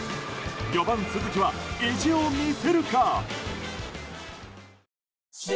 ４番、鈴木は意地を見せるか？